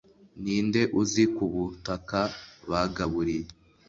Ninde uzi ku butaka bagaburiye